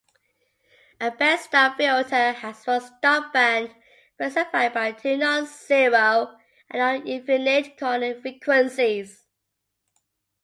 A band-stop filter has one stopband, specified by two non-zero and non-infinite corner frequencies.